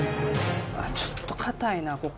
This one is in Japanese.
ちょっと硬いな、ここ。